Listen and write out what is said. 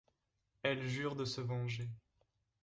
Elle jure de se venger.